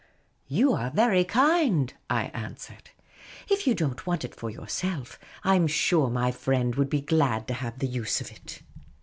" You are very kind," I answered. If you don't want it for yourself, I 'm sure my triend would be glad to have the use of it."